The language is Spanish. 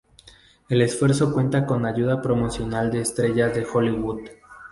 El esfuerzo cuenta con ayuda promocional de estrellas de Hollywood.